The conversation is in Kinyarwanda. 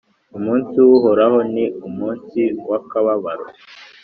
umunsi w’uhoraho ni umunsi w’akababaro